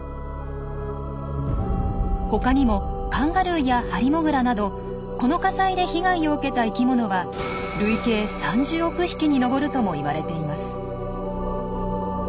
他にもカンガルーやハリモグラなどこの火災で被害を受けた生きものは累計３０億匹に上るともいわれています。